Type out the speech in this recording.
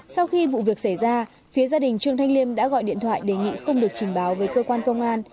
sau khi vụ việc xảy ra phía gia đình trương thanh liêm đã gọi điện thoại đề nghị không được trình báo với cơ quan công an